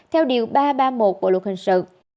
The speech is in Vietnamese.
theo điều ba trăm ba mươi một bộ luật hình sự